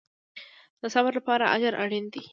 د صبر لپاره اجر اړین دی